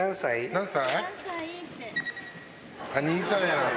何歳？